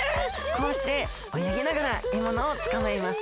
こうしておよぎながらえものをつかまえます。